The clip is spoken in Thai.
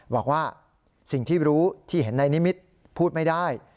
บอกว่าสิ่งที่รู้ที่เห็นในนิมิตรพูดไม่ได้